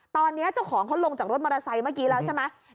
ตอนนี้เจ้าของเขาลงจากรถมอเตอร์ไซค์เมื่อกี้แล้วใช่ไหม